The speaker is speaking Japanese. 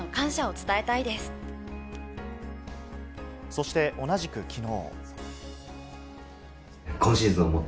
そして同じく昨日。